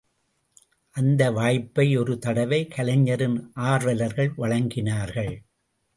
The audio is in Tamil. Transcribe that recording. அந்த வாய்ப்பை ஒரு தடவை கலைஞரின் ஆர்வலர்கள் வழங்கினார்கள்.